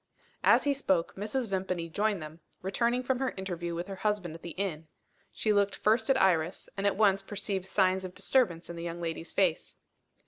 As he spoke, Mrs. Vimpany joined them; returning from her interview with her husband at the inn. She looked first at Iris, and at once perceived signs of disturbance in the young lady's face.